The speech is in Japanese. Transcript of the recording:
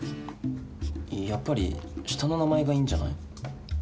やっぱり下の名前がいいんじゃない？